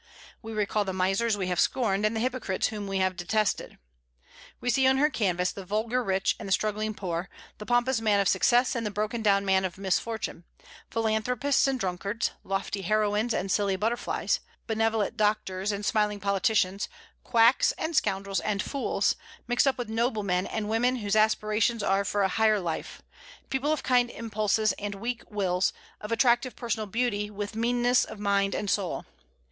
We recall the misers we have scorned, and the hypocrites whom we have detested. We see on her canvas the vulgar rich and the struggling poor, the pompous man of success and the broken down man of misfortune; philanthropists and drunkards, lofty heroines and silly butterflies, benevolent doctors and smiling politicians, quacks and scoundrels and fools, mixed up with noble men and women whose aspirations are for a higher life; people of kind impulses and weak wills, of attractive personal beauty with meanness of mind and soul.